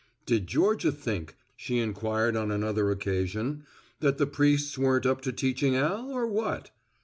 Did Georgia think, she inquired on another occasion, that the priests weren't up to teaching Al, or what?